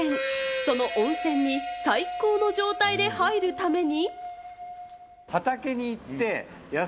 その温泉に最高の状態で入るために。